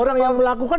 orang yang melakukan